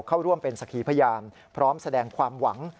เข้าร่วมเป็นสักขีพยานพร้อมแสดงความหวัง